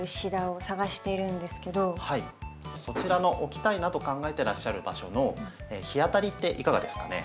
そちらの置きたいなと考えてらっしゃる場所の日当たりっていかがですかね？